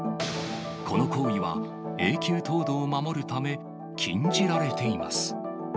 この行為は永久凍土を守るため、禁じられています。